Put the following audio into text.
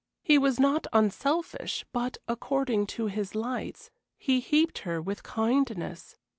He was not unselfish, but, according to his lights, he heaped her with kindness.